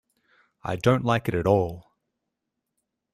I don't like it at all.